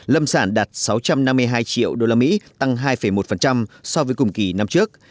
lâm sản đạt sáu trăm năm mươi hai triệu usd tăng hai một so với cùng kỳ năm trước